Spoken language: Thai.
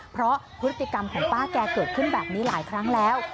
เพราะพฤติกรรมของป้าแกเกิดขึ้นแบบนี้หลายครั้งแล้ว